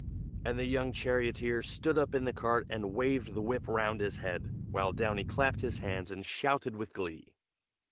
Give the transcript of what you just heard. '" and the young charioteer stood up in the cart and waved the whip round his head, while Downy clapped his hands and shouted with glee.